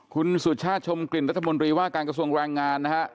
คุณซูจชาติชมกลิ่นรัฐบนรีวาคากสวงรงาน